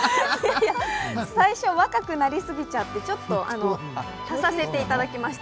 最初若くなりすぎちゃって、ちょっと足させていただきました。